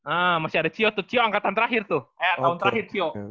ah masih ada cio tuh cio angkatan terakhir tuh eh tahun terakhir cio